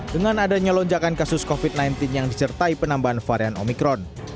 dengan adanya lonjakan kasus covid sembilan belas yang disertai penambahan varian omikron